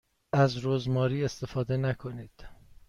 از رزماری استفاده نکنید.